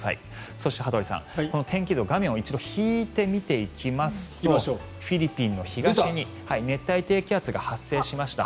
そして、羽鳥さん天気図を画面を一度引いて見てみますとフィリピンの東に熱帯低気圧が発生しました。